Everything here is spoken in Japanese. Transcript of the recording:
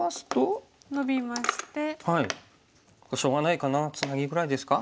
しょうがないかなツナギぐらいですか？